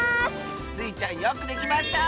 スイちゃんよくできました！